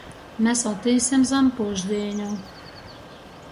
Mes atīsim zam pušdīņu.